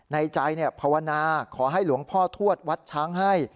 ในใจภาวนาขอให้หลวงพ่อทวดวัดช้างให้